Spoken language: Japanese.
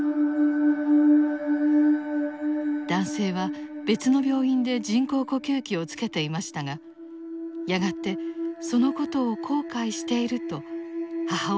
男性は別の病院で人工呼吸器をつけていましたがやがてそのことを後悔していると母親に訴えるようになりました。